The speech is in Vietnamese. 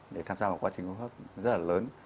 để tham gia một quá trình hỗn hợp rất là lớn